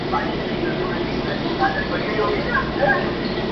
ښایسته یې چټه ښکلې ګلالۍ کړه-